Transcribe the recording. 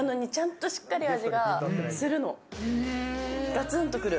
ガツンと来る。